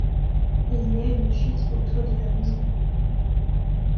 il y a une fuite au toit de la maison